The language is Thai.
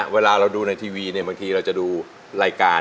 เวลาเราดูในทีวีเนี่ยบางทีเราจะดูรายการ